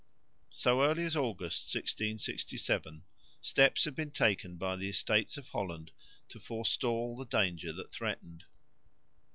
So early as August, 1667, steps had been taken by the Estates of Holland to forestall the danger that threatened.